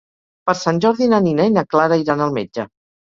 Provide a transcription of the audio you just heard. Per Sant Jordi na Nina i na Clara iran al metge.